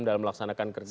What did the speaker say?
dalam melaksanakan kerja